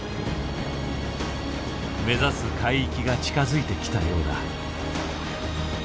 目指す海域が近づいてきたようだ。